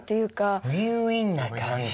ウィンウィンな関係。